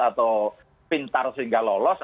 atau pintar sehingga lolos